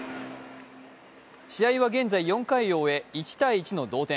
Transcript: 試合は現在４回を終え１−１の同点。